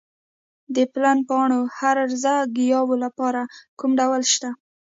د پلن پاڼو هرزه ګیاوو لپاره کوم درمل شته؟